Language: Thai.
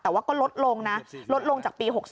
แต่ว่าก็ลดลงนะลดลงจากปี๖๒